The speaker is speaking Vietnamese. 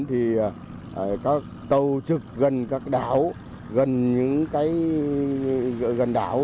thì các tàu trực gần các đảo gần những cái gần đảo